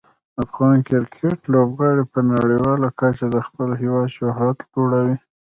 افغان کرکټ لوبغاړي په نړیواله کچه د خپل هیواد شهرت لوړوي.